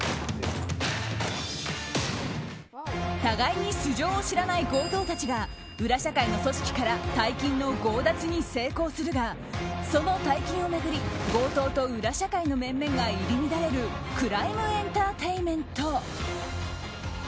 互いに素性を知らない強盗たちが裏社会の組織から大金の強奪に成功するがその大金を巡り、強盗と裏社会の面々が入れ乱れるクライム・エンターテインメント。